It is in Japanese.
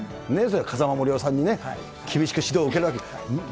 風間もりおさんにね、厳しく指導を受けるわけです。